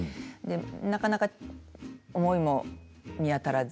なかなか思いも見当たらず。